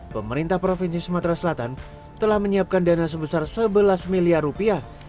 pemerintah provinsi sumatera selatan telah menyiapkan dana sebesar sebelas miliar rupiah